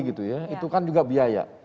itu kan juga biaya